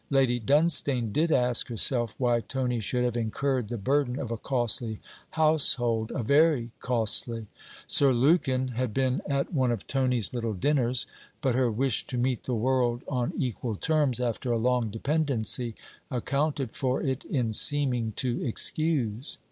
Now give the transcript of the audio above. Lady Dunstane did ask herself why Tony should have incurred the burden of a costly household a very costly: Sir Lukin had been at one of Tony's little' dinners: but her wish to meet the world on equal terms, after a long dependency, accounted for it in seeming to excuse.